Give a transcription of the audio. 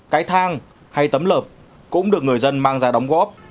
cái thang hay tấm lợp cũng được người dân mang ra đóng góp